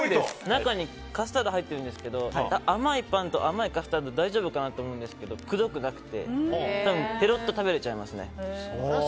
中にカスタードが入ってるんですけど、甘いパンと甘いカスタード大丈夫かなと思うんですけどくどくなくてペロッと食べれちゃいますね。